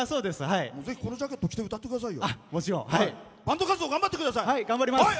ぜひ、このジャケット着て歌ってくださいよ！